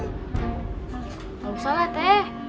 gak usah lah teh